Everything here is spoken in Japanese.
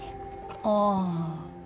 ああ。